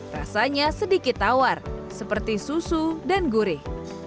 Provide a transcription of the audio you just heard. rasanya sedikit tawar seperti susu dan gurih